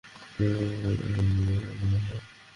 আমার সাথে প্রতারণা করলে?